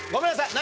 何？